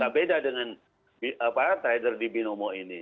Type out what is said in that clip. beda dengan trader di binomo ini